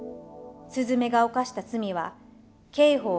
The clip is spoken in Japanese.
すずめが犯した罪は刑法